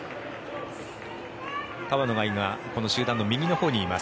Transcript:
川野が今この集団の右のほうにいます。